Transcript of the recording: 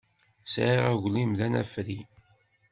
Sɛiɣ aglim d anafri.